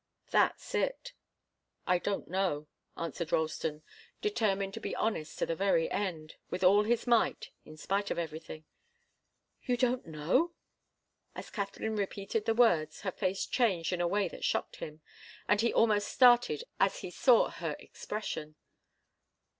"That's it I don't know," answered Ralston, determined to be honest to the very end, with all his might, in spite of everything. "You don't know?" As Katharine repeated the words her face changed in a way that shocked him, and he almost started as he saw her expression.